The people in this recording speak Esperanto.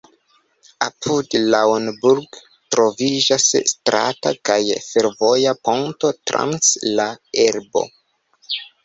Apud Lauenburg troviĝas strata kaj fervoja ponto trans la Elbo.